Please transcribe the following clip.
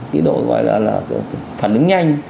cái đội gọi là phản ứng nhanh